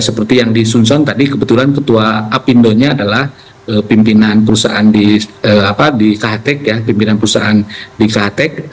seperti yang disunson tadi kebetulan ketua apindo nya adalah pimpinan perusahaan di khtec